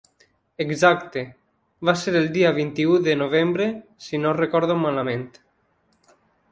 Exacte, va ser el dia vint-i-u de novembre si no recordo malament.